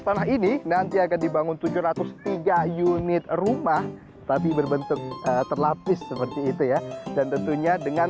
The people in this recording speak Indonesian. tanah ini nanti akan dibangun tujuh ratus tiga unit rumah tapi berbentuk terlapis seperti itu ya dan tentunya dengan